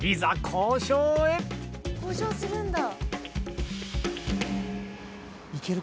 交渉するんだ！